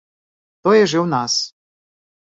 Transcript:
Тое ж і ў нас.